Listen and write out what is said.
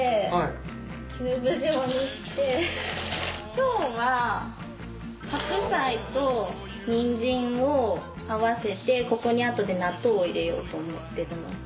今日は白菜とニンジンを合わせてここにあとで納豆を入れようと思ってるのと。